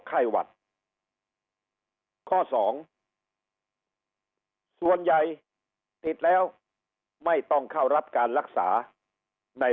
ไข้หวัดข้อสองส่วนใหญ่ติดแล้วไม่ต้องเข้ารับการรักษาใน